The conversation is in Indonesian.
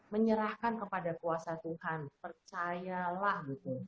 menyerahkan kepada kuasa tuhan percayalah